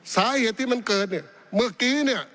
สาเหตุที่มันเกิดเมื่อกี๊